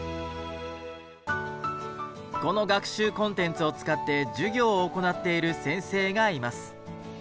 この学習コンテンツを使って授業を行っている先生がいます。